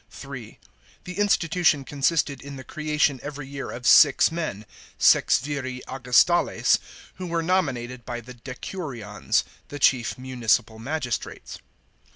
(3) The in stitution consisted in the creation every year of six men, Sexviri Augustales, who were nominated by the decurions (the chief muni cipal magistrates).